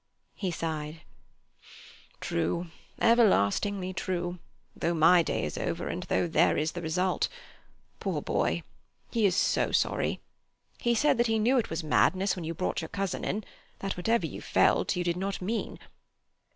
'" He sighed: "True, everlastingly true, though my day is over, and though there is the result. Poor boy! He is so sorry! He said he knew it was madness when you brought your cousin in; that whatever you felt you did not mean.